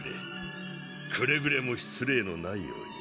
くれぐれも失礼のないように。